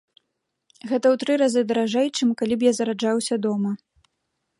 Гэта ў тры разы даражэй, чым калі б я зараджаўся дома!